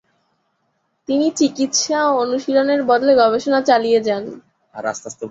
তিনি চিকিৎসা অনুশীলনের বদলে গবেষণা চালিয়ে যান।